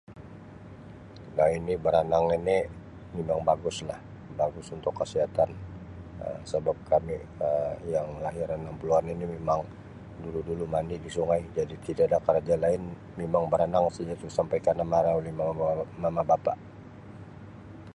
Um Ini baranang ini memang baguslah memang bagus untuk kasihatan Um sebab kami yang lahir enam puluh-an ini memang dulu-dulu mandi di sungai jadi tida ada karja lain memang baranang saja tu sampai kana marah oleh mama ba-mama bapa.